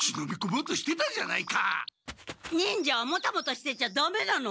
忍者はモタモタしてちゃダメなの！